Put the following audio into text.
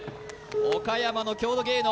岡山の郷土芸能